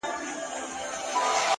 د دې نړۍ انسان نه دی په مخه یې ښه؛